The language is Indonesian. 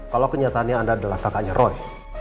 kalau kenyataannya anda adalah kakaknya roy